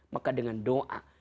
maka dengan doa